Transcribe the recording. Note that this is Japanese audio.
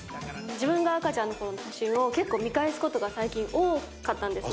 自分が赤ちゃんの写真を最近、見返すことが多かったんですね